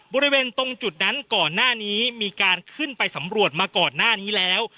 บริเวณตรงจุดนั้นก่อนหน้านี้มีการขึ้นไปสำรวจมาก่อนหน้านี้แล้ว